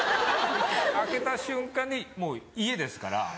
開けた瞬間にもう家ですから。